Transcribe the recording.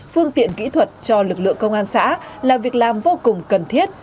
phương tiện kỹ thuật cho lực lượng công an xã là việc làm vô cùng cần thiết